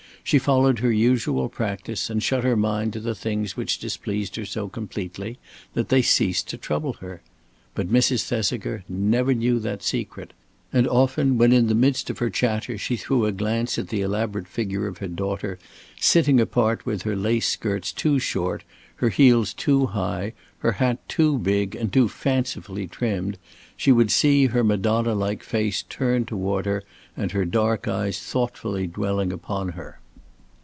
She followed her usual practice and shut her mind to the things which displeased her so completely, that they ceased to trouble her. But Mrs. Thesiger never knew that secret; and often, when in the midst of her chatter she threw a glance at the elaborate figure of her daughter, sitting apart with her lace skirts too short, her heels too high, her hat too big and too fancifully trimmed, she would see her madonna like face turned toward her, and her dark eyes thoughtfully dwelling upon her.